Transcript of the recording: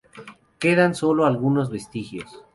Quedan sólo algunos vestigios.